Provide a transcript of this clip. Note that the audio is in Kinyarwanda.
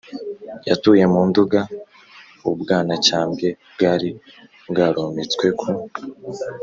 yatuye mu nduga. u bwanacyambwe bwari bwarometswe ku